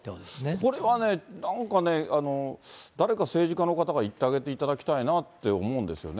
これはね、なんかね、誰か政治家の方が言ってあげていただきたいなって思うんですよね。